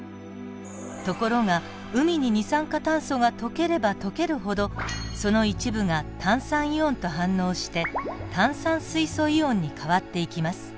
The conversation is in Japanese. ところが海に二酸化炭素が溶ければ溶けるほどその一部が炭酸イオンと反応して炭酸水素イオンに変わっていきます。